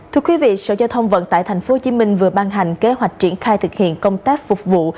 thưa quý vị sở giao thông vận tải tp hcm vừa ban hành kế hoạch triển khai thực hiện công tác phục vụ